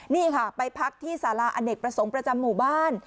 นี่ค่ะไปพักที่สาราอเนกประสงค์ประจำหมู่บ้าน